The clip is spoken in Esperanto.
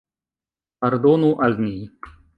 Pardonu al ni!